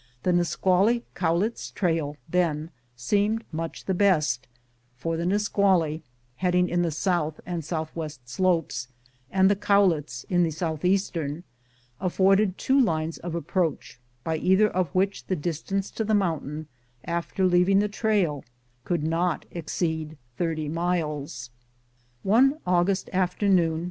The Nisqually Cowlitz trail, then, seemed much the best, for the Nisqually, heading in the south and southwest slopes, and the Cowlitz, in the southeastern, afforded two lines of approach, by either of which the distance to the mountain, after leaving the trail, could not exceed thirty miles. One August afternoon.